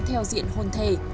theo diện hôn thề